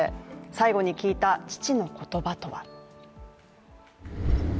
最後に聞いた父の言葉とは。